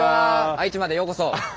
愛知までようこそ。